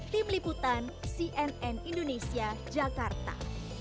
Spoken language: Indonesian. tim liputan cnn indonesia jakarta